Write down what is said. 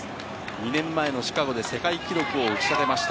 ２年前のシカゴで世界記録を打ち立てました。